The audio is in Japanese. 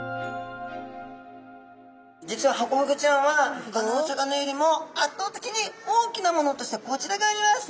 実はハコフグちゃんはほかのお魚よりも圧倒的に大きなものとしてこちらがあります。